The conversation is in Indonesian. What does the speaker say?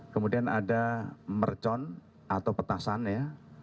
kemudian ada mercon atau petasan ya